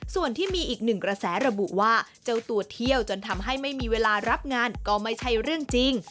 ส่วนที่มีอีกหนึ่งกระแสระบุว่าเจ้าตัวเที่ยวจนทำให้ไม่มีเวลารับงานก็ไม่ใช่เรื่องจริง